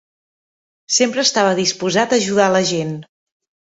Sempre estava disposat a ajudar a la gent.